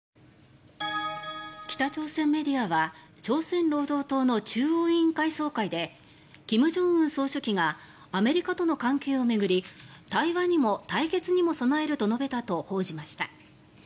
北朝鮮メディアは朝鮮労働党の中央委員会総会で金正恩総書記がアメリカとの関係を巡り対話にも対決にも備えると述べたと報じました。